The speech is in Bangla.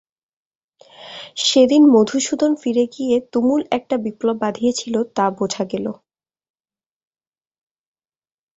সেদিন মধুসূদন ফিরে গিয়ে তুমুল একটা বিপ্লব বাধিয়েছিল তা বোঝা গেল।